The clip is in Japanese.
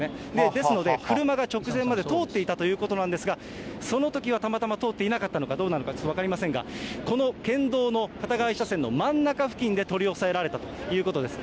ですので、車が直前まで通っていたということなんですが、そのときはたまたま通っていなかったのかどうなのか、ちょっと分かりませんが、この県道の片側１車線の真ん中付近で取り押さえられたということです。